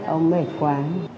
ông mệt quá